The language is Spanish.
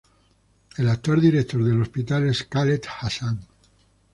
El actual director del hospital es Khaled Hassan.